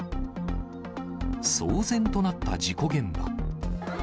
騒然となった事故現場。